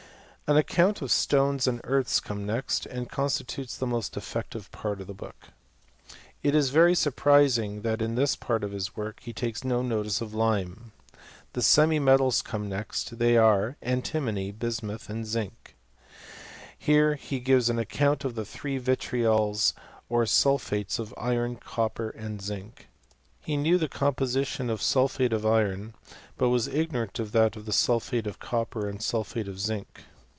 An account of stones and earths comes next, and constitutes the most defective part of the book. It is very surprising that in this part of .his work he takes no notice of lime. The semi metals come next: they are, antimony, bismuth, zinc. Here he gives an account of the three vitriols or sul phates of iron, copper, and zinc. He knew the com position of sulphate of iron ; but was ignorant of that of sulphate of copper and sulphate of zinc.